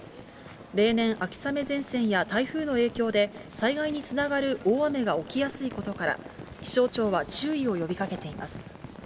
例年、秋雨前線や台風の影響で、災害につながる大雨が起きやすいことから、気象庁は注意を呼びかけています。